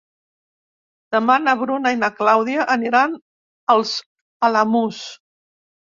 Demà na Bruna i na Clàudia aniran als Alamús.